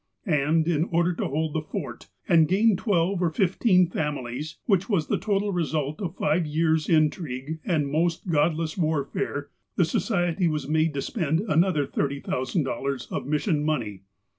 And, in order to hold the fort, and gain twelve or fifteen families, which was the total result of five years' intrigue and most godless warfare, the Society was made to spend another $30,000 of "mission" money.